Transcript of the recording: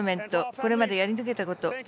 これまでやり遂げたこと。